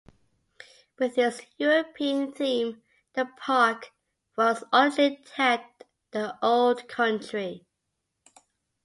With its European theme, the park was originally tagged The Old Country.